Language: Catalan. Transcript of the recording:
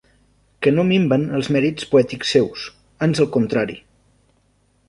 Que no minven els mèrits poètics seus, ans al contrari.